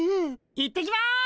・行ってきます！